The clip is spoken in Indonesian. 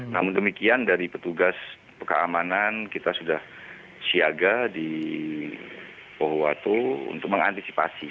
namun demikian dari petugas keamanan kita sudah siaga di pohuwato untuk mengantisipasi